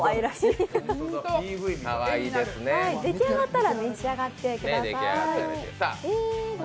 出来上がったら召し上がってください。